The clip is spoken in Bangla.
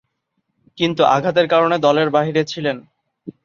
কিন্তু আঘাতের কারণে দলের বাইরে ছিলেন।